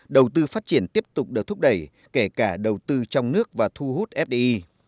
đầu tư phát triển tiếp tục được thúc đẩy kể cả đầu tư trong nước và thu hút fdi